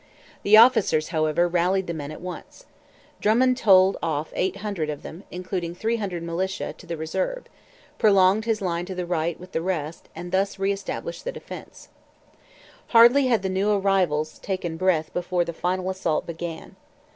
The officers, however, rallied the men at once. Drummond told off eight hundred of them, including three hundred militia, to the reserve; prolonged his line to the right with the rest; and thus re established the defence. Hardly had the new arrivals taken breath before the final assault began.